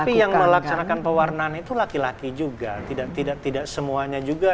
tapi yang melaksanakan pewarnaan itu laki laki juga